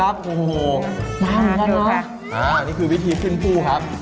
น่ามากเลยนะนี่คือวิธีขึ้นผู้ครับ